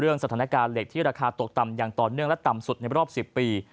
สถานการณ์เหล็กที่ราคาตกต่ำอย่างต่อเนื่องและต่ำสุดในรอบ๑๐ปี